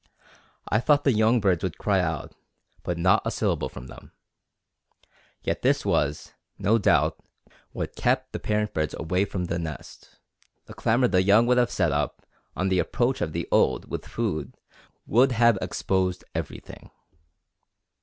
I thought the young birds would cry out, but not a syllable from them. Yet this was, no doubt, what kept the parent birds away from the nest. The clamor the young would have set up on the approach of the old with food would have exposed everything.